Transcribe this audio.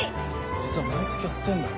実は毎月やってんだ。